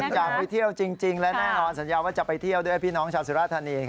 อยากไปเที่ยวจริงและแน่นอนสัญญาว่าจะไปเที่ยวด้วยพี่น้องชาวสุราธานี